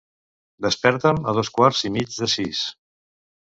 Desperta'm a dos quarts i mig de sis.